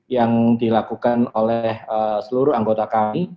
yang dilakukan oleh seluruh anggota kami